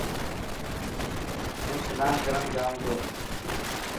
هون سنان ڪرڻ جائون تو.